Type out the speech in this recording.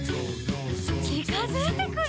「ちかづいてくる！」